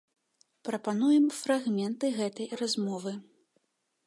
Прапануем фрагменты гэтай размовы.